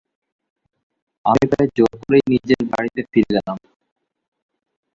আমি প্রায় জোর করেই নিজের বাড়িতে ফিরে গেলাম।